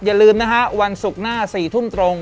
อย่าลืมนะฮะวันศุกร์หน้า๔ทุ่มตรง